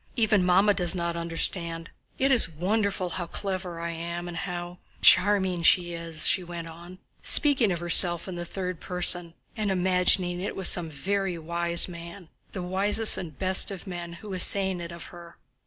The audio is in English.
Even Mamma does not understand. It is wonderful how clever I am and how... charming she is," she went on, speaking of herself in the third person, and imagining it was some very wise man—the wisest and best of men—who was saying it of her.